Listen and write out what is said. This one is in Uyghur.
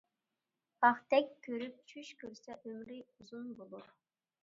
پاختەك كۆرۈپ چۈش كۆرسە ئۆمرى ئۇزۇن بولۇر.